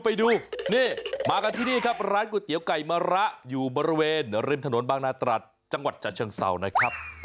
ไปดูนี่มากันที่นี่ครับร้านก๋วยเตี๋ยวไก่มะระอยู่บริเวณริมถนนบางนาตรัสจังหวัดชะเชิงเศร้านะครับ